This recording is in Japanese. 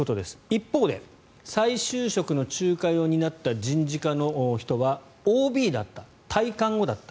一方で、再就職の仲介を担った人事課の人はＯＢだった、退官後だった。